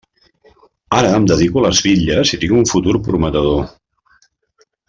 Ara em dedico a les bitlles i tinc un futur prometedor.